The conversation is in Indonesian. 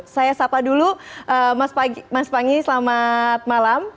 saya sapa dulu mas pangi selamat malam